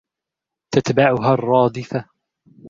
تَتْبَعُهَا الرَّادِفَةُ